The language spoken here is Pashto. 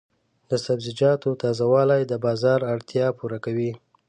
د سبزیجاتو تازه والي د بازار اړتیا پوره کوي.